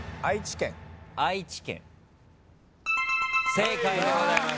正解でございます。